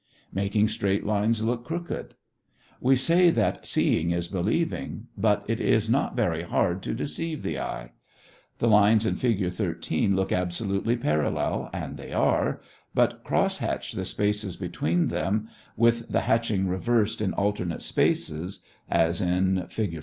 MAKING STRAIGHT LINES LOOK CROOKED We say that "seeing is believing," but it is not very hard to deceive the eye. The lines in Fig. 13 look absolutely parallel, and they are; but cross hatch the spaces between them, with the hatching reversed in alternate spaces, as in Fig.